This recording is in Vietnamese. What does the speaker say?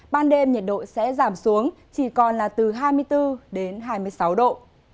ban đêm nhiệt độ sẽ giảm xuống chỉ còn là từ hai mươi bốn đến hai mươi sáu độ